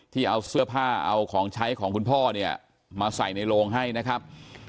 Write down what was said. ที่เอาเสื้อผ้าเอาของใช้ของคุณพ่อเนี่ยมาใส่ในโรงให้นะครับ